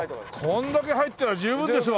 これだけ入ってたら十分ですわ！